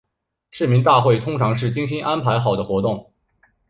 市民大会通常是精心安排好的活动。